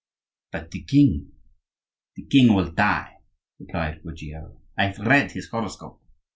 "But the king?" "The king will die," replied Ruggiero; "I have read his horoscope.